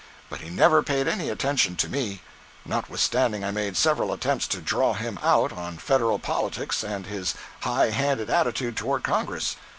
But he never paid any attention to me, notwithstanding I made several attempts to "draw him out" on federal politics and his high handed attitude toward Congress.